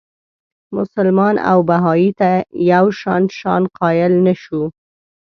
مسلمان او بهايي ته یو شان شأن قایل نه شو.